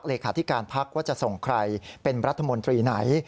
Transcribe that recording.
และขาดเกาะที่การพรรคว่าจะส่งใครเป็นรัฐมนตรีไหน